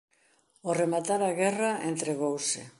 Ao rematar a guerra entregouse.